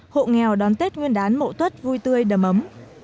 hộ nghèo đón tết nguyên đán mộ tuốt vui tươi đầm ấm